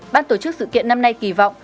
ban tổ chức sự kiện năm nay kỳ vọng